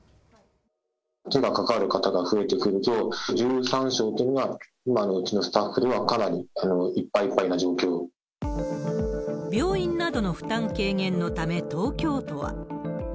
手がかかる方が増えてくると、１３床というのが、今のうちのスタッフではかなりいっぱいいっぱ病院などの負担軽減のため、東京とは。